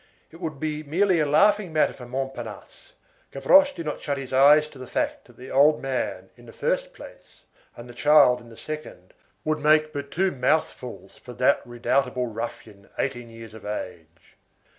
It would be merely a laughing matter for Montparnasse. Gavroche did not shut his eyes to the fact that the old man, in the first place, and the child in the second, would make but two mouthfuls for that redoubtable ruffian eighteen years of age.